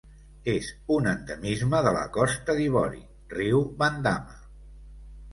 És un endemisme de la Costa d'Ivori: riu Bandama.